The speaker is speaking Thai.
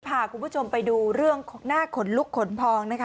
พาคุณผู้ชมไปดูเรื่องหน้าขนลุกขนพองนะคะ